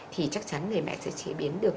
thì chắc chắn người mẹ sẽ chế biến được